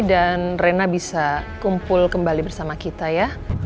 dan rena bisa kumpul kembali bersama kita ya